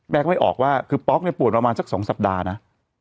ก็ไม่ออกว่าคือป๊อกเนี่ยปวดประมาณสัก๒สัปดาห์นะ